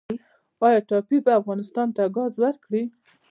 آیا ټاپي به افغانستان ته ګاز ورکړي؟